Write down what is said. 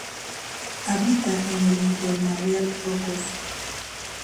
Habita en el intermareal rocoso.